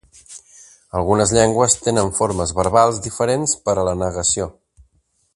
Algunes llengües tenen formes verbals diferents per a la negació.